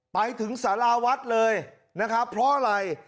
ไปถึงสาราวัดเลยนะครับเพราะอะไร